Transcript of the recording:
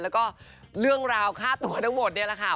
แล้วก็เรื่องราวค่าตัวทั้งหมดนี่แหละค่ะ